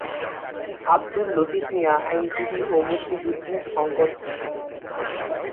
আব্দুল লতিফ মিয়া আইনজীবী ও মুক্তিযুদ্ধের সংগঠক ছিলেন।